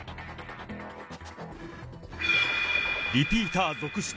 リピーター続出！